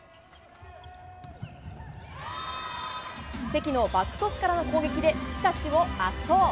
関のバックトスからの攻撃で、日立を圧倒。